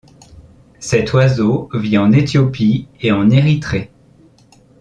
Cet oiseau vit en Éthiopie et en Érythrée.